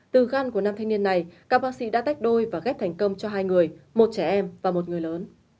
từ gan của nam thanh niên này các bác sĩ đã tách đôi và ghép thành công cho hai người một trẻ em và một người lớn